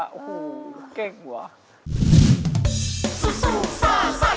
โหเก่งกว่า